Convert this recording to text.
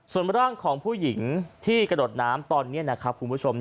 ส่วนร่างของผู้หญิงที่กระโดดน้ำตอนนี้นะครับคุณผู้ชม